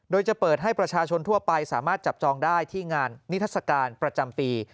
โดยจะเปิดให้ประชาชนทั่วไปสามารถจับจองได้ที่งานนิทัศกาลประจำปี